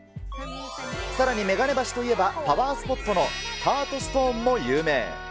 さらに眼鏡橋といえば、パワースポットのハートストーンも有名。